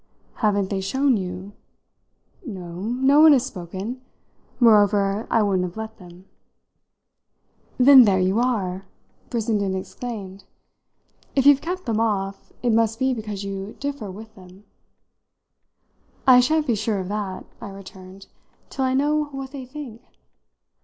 "Haven't they shown you ?" "No, no one has spoken. Moreover I wouldn't have let them." "Then there you are!" Brissenden exclaimed. "If you've kept them off, it must be because you differ with them." "I shan't be sure of that," I returned, "till I know what they think!